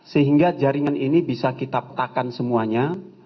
sehingga jaringan ini bisa kita petakan semuanya